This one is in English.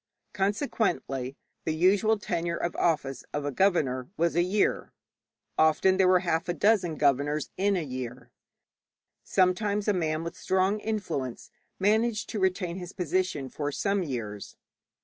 Consequently the usual tenure of office of a governor was a year. Often there were half a dozen governors in a year; sometimes a man with strong influence managed to retain his position for some years.